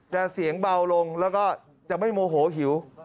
เสียงเบาลงแล้วก็จะไม่โมโหหิว